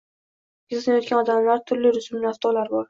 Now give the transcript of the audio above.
Kezinayotgan odamlaru turli rusumli avtolar bor.